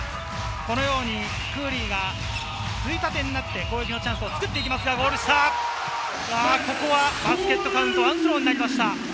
このようにクーリーがついたてになって攻撃のチャンスを作っていきますが、ゴール下、バスケットカウントワンスローになりました。